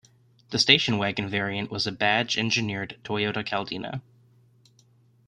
The station wagon variant was a badge-engineered Toyota Caldina.